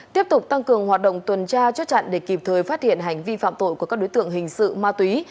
tiếp tục tăng cường hoạt động tuần tra chốt chặn để kịp thời phát hiện hành vi phạm tội của các đối tượng hình sự ma túy